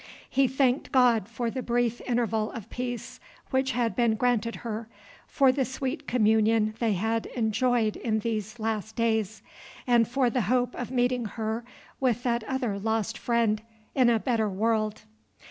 He thanked God for the brief interval of peace which had been granted her, for the sweet communion they had enjoyed in these last days, and for the hope of meeting her with that other lost friend in a better world.